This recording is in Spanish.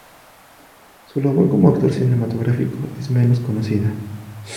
Su labor como actor cinematográfico es menos conocida.